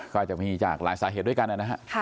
ก็อาจจะมีจากหลายสาเหตุด้วยกันนะฮะ